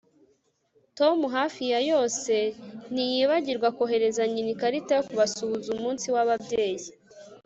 Tom hafi ya yose ntiyibagirwa kohereza nyina ikarita yo kubasuhuza umunsi wababyeyi